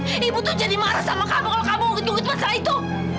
hah ibu tuh jadi marah sama kamu kalau kamu mungkin duit pasal itu